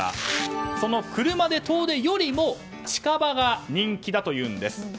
その車で遠出よりも近場が人気だというんです。